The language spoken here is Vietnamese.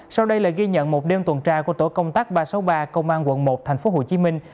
sau đây là ghi nhận một đêm tuần tra của tổ công tác ba trăm sáu mươi ba công an quận một thành phố hồ chí minh